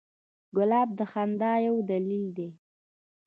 ګلاب د خندا یو دلیل دی.